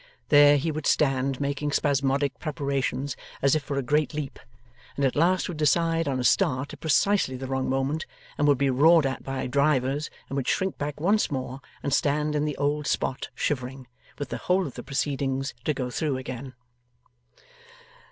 There, he would stand making spasmodic preparations as if for a great leap, and at last would decide on a start at precisely the wrong moment, and would be roared at by drivers, and would shrink back once more, and stand in the old spot shivering, with the whole of the proceedings to go through again.